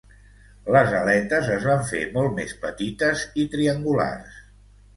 Les aletes es van fer molt més petites i triangulars.